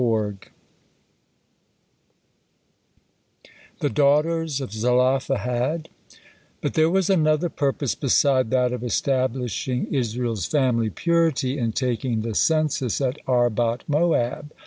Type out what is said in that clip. THE DAUGHTERS OF ZELOPHEHAD But there was another purpose beside that of establishing Israel's family purity in taking the census at Arbot Moab.